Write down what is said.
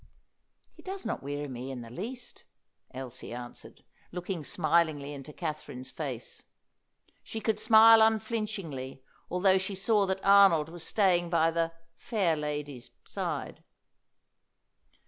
"He does not weary me in the least," Elsie answered, looking smilingly into Katherine's face. She could smile unflinchingly, although she saw that Arnold was staying by the "fair ladye's" side.